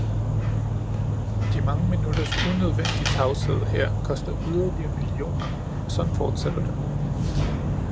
De mange minutters unødvendig tavshed her koster yderligere millioner, og sådan fortsætter det.